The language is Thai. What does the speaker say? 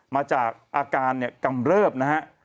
มาจากอาการกำเลิภนะฮะ